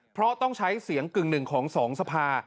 เพราะต้องใช้เสียง๑ของ๒สภา